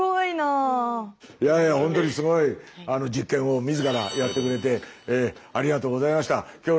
いやいやほんとにすごい実験を自らやってくれてありがとうございました。